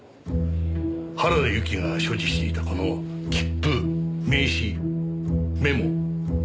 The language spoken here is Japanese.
原田由紀が所持していたこの切符名刺メモ封筒。